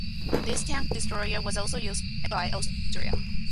This tank destroyer was also used by Austria.